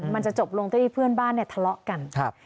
มันจะจบลงที่เพื่อนบ้านเนี่ยทะเลาะกัน